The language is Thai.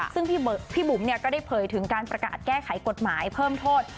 ซึ่งพี่บุ๋มก็ได้เผยถึงการประกาศแก้ไขกฎหมายเพิ่มโทษ